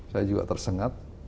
saya juga tersengat